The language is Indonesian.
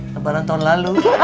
lebaran tahun lalu